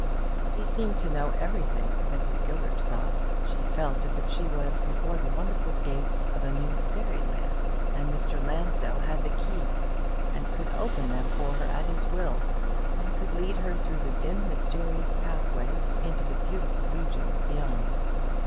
He seemed to know everything, Mrs Gilbert thought. She felt as if she was before the wonderful gates of a new fairy land, and Mr. Lansdell had the keys, and could open them for her at his will, and could lead her through the dim mysterious pathways into the beautiful region beyond.